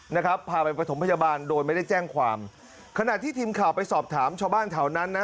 นะครับพาไปประถมพยาบาลโดยไม่ได้แจ้งความขณะที่ทีมข่าวไปสอบถามชาวบ้านแถวนั้นนะ